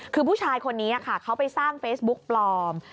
คือผู้ชายคนนี้ค่ะเขาไปสร้างเฟซบุ๊กปลอม